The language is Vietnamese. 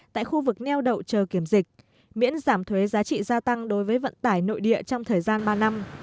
tại khu vực neo đậu chờ kiểm dịch miễn giảm thuế giá trị gia tăng đối với vận tải nội địa trong thời gian ba năm